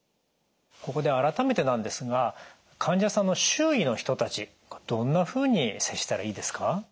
ここで改めてなんですが患者さんの周囲の人たちどんなふうに接したらいいですか？